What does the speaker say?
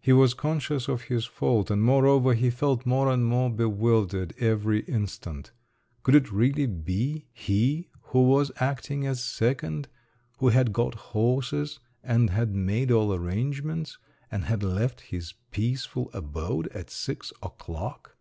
He was conscious of his fault; and moreover, he felt more and more bewildered every instant; could it really be he who was acting as second, who had got horses, and had made all arrangements, and had left his peaceful abode at six o'clock?